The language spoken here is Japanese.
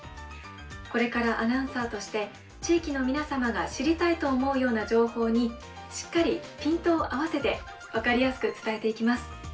これからアナウンサーとして地域の皆様が知りたいと思うような情報にしっかりピントを合わせて分かりやすく伝えていきます。